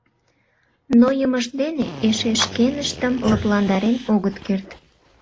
Нойымышт дене эше шкеныштым лыпландарен огыт керт.